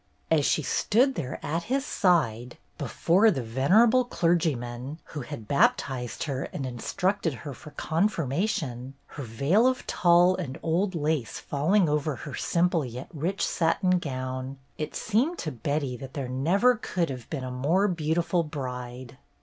As she stood there at his side, before the venerable clergyman who had baptized her and instructed her for confirma tion, her veil of tulle and old lace falling over her simple yet rich satin gown, it seemed to Betty that there never could have been a more beautiful bride.